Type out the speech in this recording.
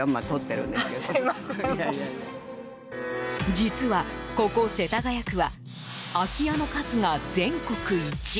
実は、ここ世田谷区は空き家の数が全国一。